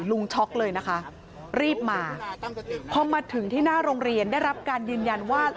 ช็อกเลยนะคะรีบมาพอมาถึงที่หน้าโรงเรียนได้รับการยืนยันว่า